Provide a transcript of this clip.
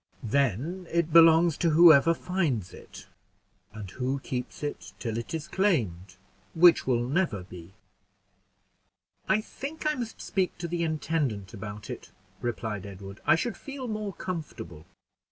"Then it belongs to whoever finds it, and who keeps it till it is claimed which will never be." "I think I must speak to the intendant about it," replied Edward; "I should feel more comfortable."